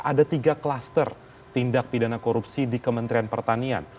ada tiga klaster tindak pidana korupsi di kementerian pertanian